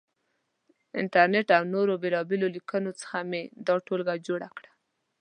انټرنېټ او نورو بېلابېلو لیکنو څخه مې دا ټولګه جوړه کړه.